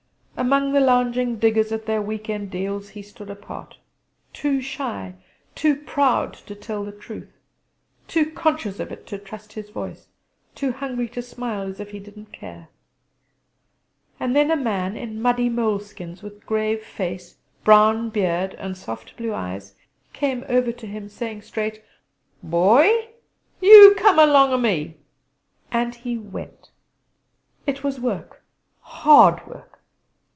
Among the lounging diggers at their week end deals he stood apart too shy, to proud to tell the truth; too conscious of it to trust his voice; too hungry to smile as if he did not care! And then a man in muddy moleskins, with grave face, brown beard, and soft blue eyes, came over to him, saying straight: "Boy, you come along o' me!" And he went. It was work hard work.